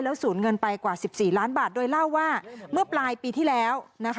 สูญเงินไปกว่า๑๔ล้านบาทโดยเล่าว่าเมื่อปลายปีที่แล้ว